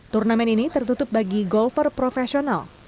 turnamen ini tertutup bagi golfer profesional